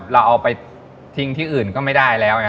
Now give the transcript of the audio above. เราเอาไปทิ้งที่อื่นก็ไม่ได้แล้ว